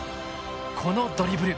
このドリブル。